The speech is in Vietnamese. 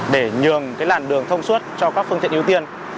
để nhường cái làn đường thông suốt cho các phương tiện ưu tiên